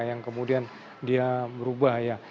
yang kemudian dia berubah ya